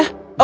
oh kena kau